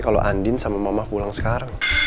kalau andin sama mama pulang sekarang